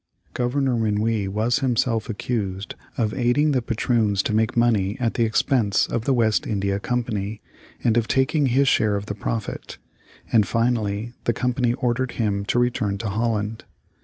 Governor Minuit was himself accused of aiding the patroons to make money at the expense of the West India Company, and of taking his share of the profit; and finally, the Company ordered him to return to Holland.